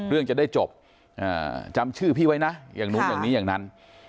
เรื่องจะได้จบจำชื่อพี่ไว้นะอย่างนู้นอย่างนี้อย่างนั้น